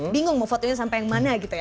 bingung mau fotonya sampai yang mana gitu ya